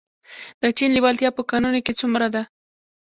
د چین لیوالتیا په کانونو کې څومره ده؟